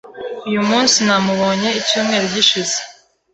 Uyu munsi namubonye icyumweru gishize .